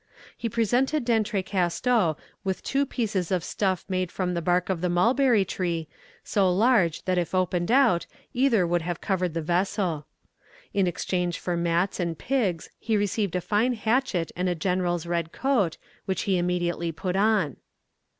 He presented D'Entrecasteaux with two pieces of stuff made from the bark of the mulberry tree, so large that if opened out either would have covered the vessel. In exchange for mats and pigs he received a fine hatchet and a general's red coat, which he immediately put on.